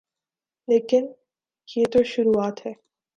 لیکن یہ تو شروعات ہے۔